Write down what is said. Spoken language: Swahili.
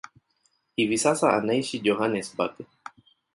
Hivi sasa anaishi Johannesburg.